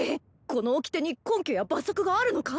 このおきてに根拠や罰則があるのか？